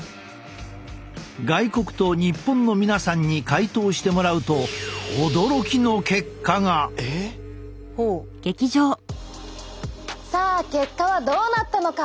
外国と日本の皆さんに回答してもらうとさあ結果はどうなったのか。